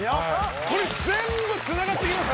これ全部つながってきます！